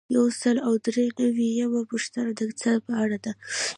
یو سل او درې نوي یمه پوښتنه د اقتصاد په اړه ده.